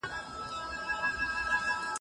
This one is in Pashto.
په قسم او عدل کي ناروغه او روغه ميرمن فرق نلري.